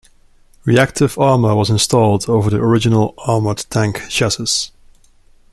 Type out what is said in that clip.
Reactive armor was installed over the original armored tank chassis.